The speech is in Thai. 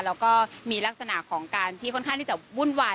แล้วก็มีลักษณะของการที่ค่อนข้างที่จะวุ่นวาย